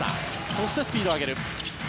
そして、スピードを上げる。